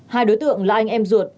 hai đối tượng là anh em ruột